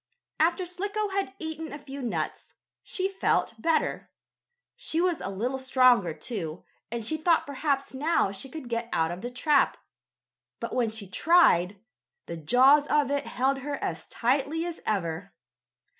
After Slicko had eaten a few nuts, she felt better. She was a little stronger, too, and she thought perhaps now she could get out of the trap, but, when she tried, the jaws of it held her as tightly as ever.